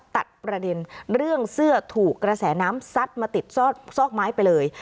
ตัดประเด็นเรื่องเสื้อถูกกระแสน้ำซัดมาติดซอกไม้ไปเลย